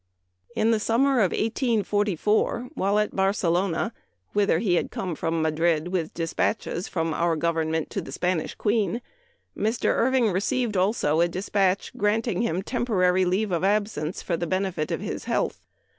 In the summer of 1844, while at Barcelona, whither he had come from Madrid with dis patches from our Government to the Spanish Queen, Mr. Irving received also a dispatch granting him temporary leave of absence for the benefit of his health.